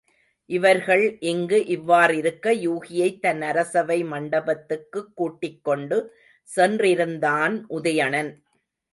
இவர்கள் இங்கு இவ்வாறிருக்க யூகியைத் தன் அரசவை மண்டபத்துக்குக் கூட்டிக்கொண்டு சென்றிருந்தான் உதயணன்.